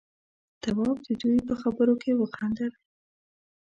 تواب د دوي په خبرو کې خندل.